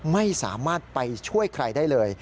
ไม่สามารถไปช่วยใครได้เลย